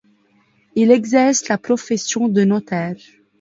Il exerce la profession de notaire.